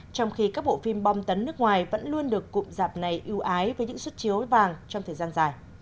trong khi các bộ phim bom tấn nước ngoài vẫn luôn được cụm rạp này ưu ái với những xuất chiếu vàng trong thời gian dài